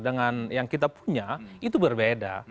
dengan yang kita punya itu berbeda